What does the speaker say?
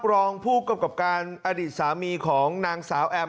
รองผู้กำกับการอดีตสามีของนางสาวแอม